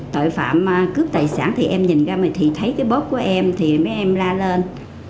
tội phạm cướp tài sản thì em nhìn ra này thì thấy cái bốt của em thì mấy em la lên